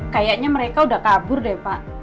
kayaknya mereka udah kabur deh pak